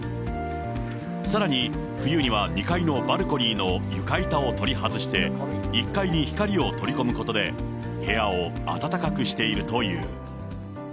さらに冬には２階のバルコニーの床板を取り外して、１階に光を取り込むことで部屋を暖かくしているという。